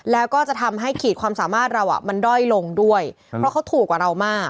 แล้วก็จะทำให้ขีดความสามารถเราอ่ะมันด้อยลงด้วยเพราะเขาถูกกว่าเรามาก